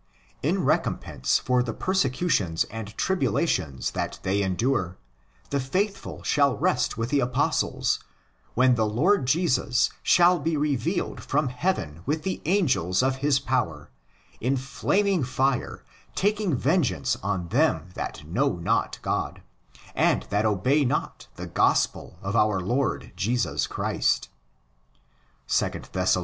In recompense for the persecutions and tribulations that they endure, the faithful shall rest with the Apostles, ''when the Lord Jesus shall be revealed from heaven with the angels of his power, in flaming fire taking vengeance on them that know not God, and that obey not the Gospel of our Lord Jesus Christ' (2 Thess. i.